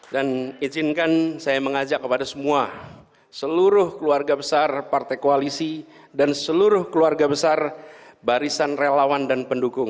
dan izinkan saya mengajak kepada semua seluruh keluarga besar partai koalisi dan seluruh keluarga besar barisan relawan dan pendukung